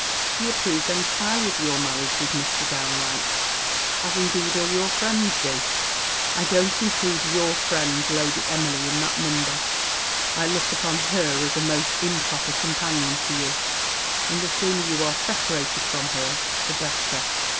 She approves entirely of your marriage with Mr. Downe Wright, as, indeed, all your friends do. I don't include your friend Lady Emily in that number. I look upon her as a most improper companion for you; and the sooner you are separated from her the better.